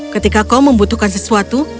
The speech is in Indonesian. ketika kau membutuhkan sesuatu